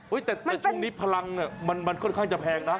แต่ช่วงนี้พลังมันค่อนข้างจะแพงนะ